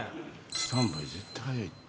スタンバイ絶対早いって。